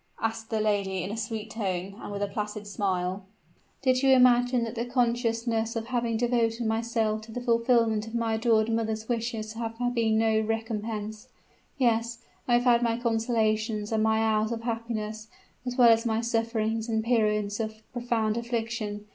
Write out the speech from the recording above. asked the lady in a sweet tone, and with a placid smile: "do you imagine that the consciousness of having devoted myself to the fulfillment of my adored mother's wishes has been no recompense? Yes I have had my consolations and my hours of happiness, as well as my sufferings and periods of profound affliction.